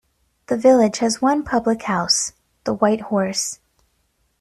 The village has one public house, "The White Horse".